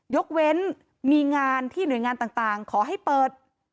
ยกเว้นมีงานที่หน่วยงานต่างขอให้เปิด